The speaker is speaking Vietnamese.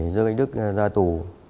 dương anh đức ra tù